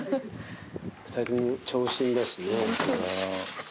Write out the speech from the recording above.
２人とも長身だしね。